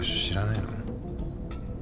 知らない。